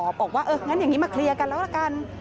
บอกว่าเอองั้นอย่างนี้มาเคลียร์กันแล้วละกัน